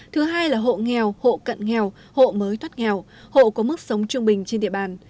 thứ hai là hộ nghèo hộ cận nghèo hộ mới thoát nghèo hộ có mức sống trung bình trên địa bàn